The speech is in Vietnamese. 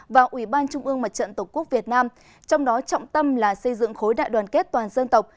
và ủy ban trung ương mặt trận tổ quốc việt nam trong đó trọng tâm là xây dựng khối đại đoàn kết toàn dân tộc